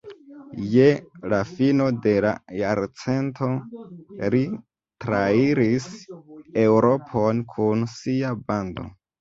Je la fino de la jarcento li trairis Eŭropon kun sia bando.